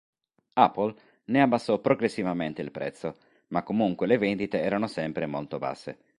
Apple ne abbassò progressivamente il prezzo ma comunque le vendite erano sempre molto basse.